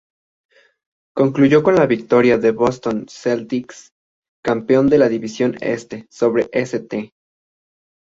Concluyó con la victoria de Boston Celtics, campeón de la División Este, sobre St.